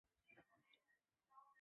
海鸥学园的奇妙传言之一。